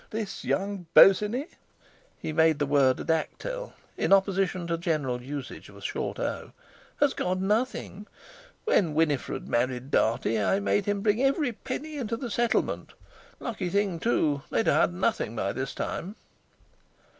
This young Bosinney" (he made the word a dactyl in opposition to general usage of a short o) "has got nothing. When Winifred married Dartie, I made him bring every penny into settlement—lucky thing, too—they'd ha' had nothing by this time!"